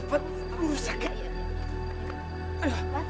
nanti kamu yang ngerti ruangan